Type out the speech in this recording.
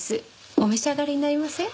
お召し上がりになりません？